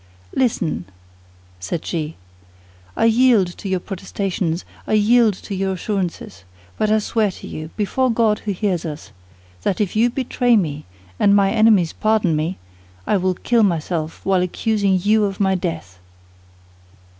"Listen," said she; "I yield to your protestations, I yield to your assurances. But I swear to you, before God who hears us, that if you betray me, and my enemies pardon me, I will kill myself, while accusing you of my death."